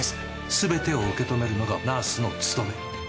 全てを受け止めるのがナースの務め。